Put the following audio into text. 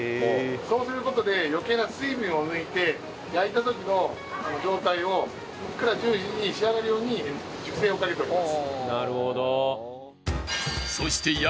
そうする事で余計な水分を抜いて焼いた時の状態をふっくらジューシーに仕上がるように熟成をかけております。